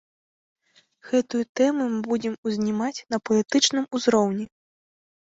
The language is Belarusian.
Гэтую тэму мы будзем узнімаць на палітычным узроўні.